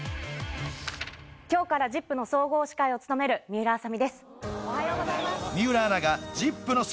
今日から『ＺＩＰ！』の総合司会を務める水卜麻美です。